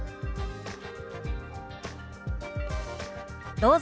どうぞ。